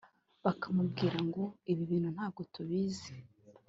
bakambwira ngo ibi bintu ntabwo tubizi